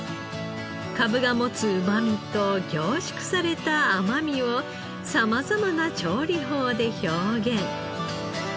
かぶが持つうまみと凝縮された甘みをさまざまな調理法で表現。